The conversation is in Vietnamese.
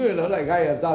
thì nó lại gây làm sao